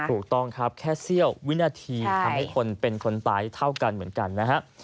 ถูกต้องครับแค่เสี้ยววินาทีทำให้คนเป็นคนตายเท่ากันเหมือนกันนะฮะ